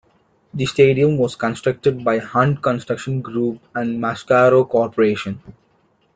The stadium was constructed by Hunt Construction Group and Mascaro Corporation.